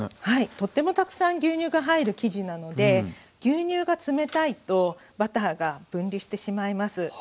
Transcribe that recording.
はいとってもたくさん牛乳が入る生地なので牛乳が冷たいとバターが分離してしまいます。